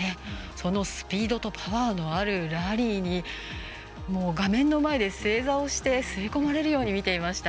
そのスピードとパワーのあるラリーに、画面の前で正座をして吸い込まれるように見ていました。